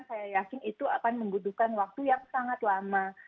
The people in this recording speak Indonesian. saya yakin itu akan membutuhkan waktu yang sangat lama